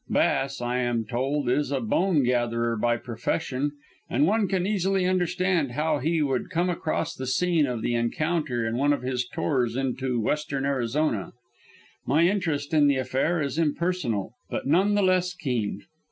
Bass, I am told, is a bone gatherer by profession, and one can easily understand how he would come across the scene of the encounter in one of his tours into western Arizona. My interest in the affair is impersonal, but none the less keen.